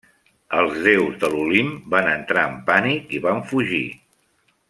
Els déus de l'Olimp van entrar en pànic i van fugir.